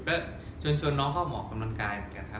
ก็เชิญชวนน้องเข้าออกกำลังกายเหมือนกันครับ